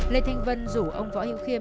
lê thanh vân rủ ông võ hiệu khiêm